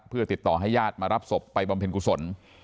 เพื่อติดต่อให้ญาติมารับศพไปบำเพ็ญกุศล